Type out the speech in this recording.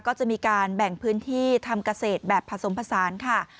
ก็จะมีการแบ่งพื้นที่ทำเกษตรแบบผสมผสานค่ะ